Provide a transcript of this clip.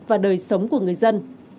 và đời sống của người dân